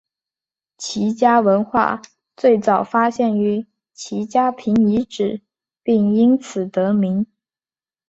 齐家文化最早发现于齐家坪遗址并因此得名。